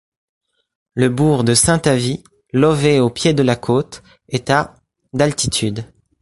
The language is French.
Le bourg de Saint-Avit, lové au pied de la côte, est à d'altitude.